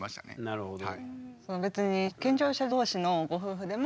なるほど。